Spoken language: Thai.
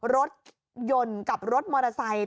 รถยนต์กับรถมอเตอร์ไซค์